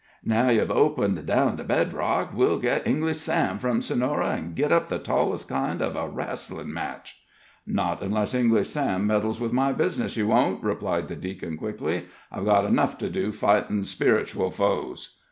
Now yev opened down to bed rock, we'll git English Sam from Sonora, an' git up the tallest kind uv a rasslin' match." "Not unless English Sam meddles with my business, you won't," replied the deacon, quickly. "I've got enough to do fightin' speretual foes."